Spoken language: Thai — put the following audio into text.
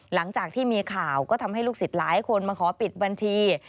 หลังจากที่มีข่าวก็ทำให้ลูกศิษย์หลายคนมาขอปิดบัญชี